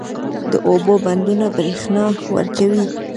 د اوبو بندونه برښنا ورکوي